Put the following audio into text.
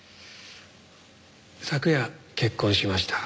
昨夜結婚しました。